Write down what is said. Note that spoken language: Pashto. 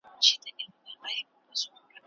په دې وخت کي ټولنيز نظريات وده نسوای کولای.